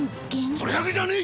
それだけじゃねえ！